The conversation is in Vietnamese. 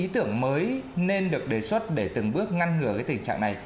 ý tưởng mới nên được đề xuất để từng bước ngăn ngừa tình trạng này